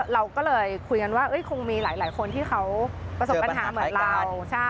เราก็เลยคุยกันว่าคงมีหลายคนที่เขาประสบปัญหาเหมือนเรา